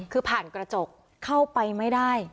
คือผ่านกระจกเข้าไปไม่ได้